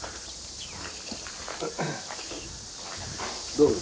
どうぞ。